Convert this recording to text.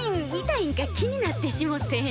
痛いんか気になってしもて。